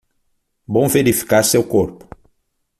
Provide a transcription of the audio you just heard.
Bom verificar seu corpo